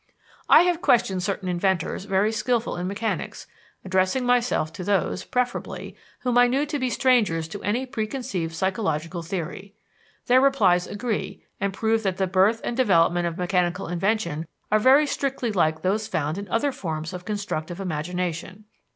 I have questioned certain inventors very skillful in mechanics, addressing myself to those, preferably, whom I knew to be strangers to any preconceived psychological theory. Their replies agree, and prove that the birth and development of mechanical invention are very strictly like those found in other forms of constructive imagination.